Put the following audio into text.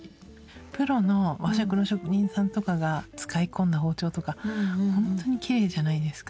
プロの和食の職人さんとかが使い込んだ包丁とかほんとにきれいじゃないですか。